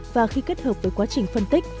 và khi kết hợp với quá trình phân tích